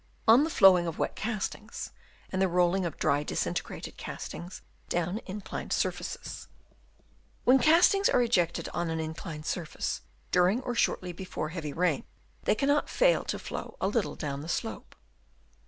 On the flowing of wet castings, and the rolling of dry disintegrated eastings down inclined surfaces, — When castings are ejected on an inclined surface during or shortly before heavy rain, they cannot fail to flow a little down the slope.